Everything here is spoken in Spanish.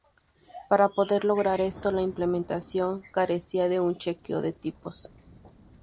Para poder lograr esto, la implementación carecía de un chequeo de tipos.